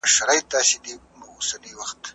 ایا دا ممکنه ده چې موږ بیا په وطن کې سره وګورو؟